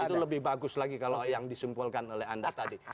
itu lebih bagus lagi kalau yang disimpulkan oleh anda tadi